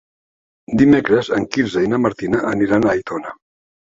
Dimecres en Quirze i na Martina aniran a Aitona.